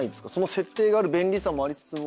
設定がある便利さもありつつも。